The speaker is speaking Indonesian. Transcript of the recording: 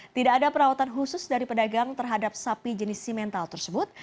tidak ada perawatan khusus dari pedagang terhadap sapi jenis simental tersebut